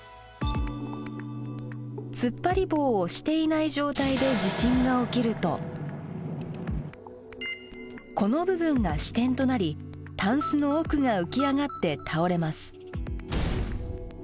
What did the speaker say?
つっぱり棒をしていない状態で地震が起きるとこの部分が支点となりタンスの奥が浮き上がって倒れます。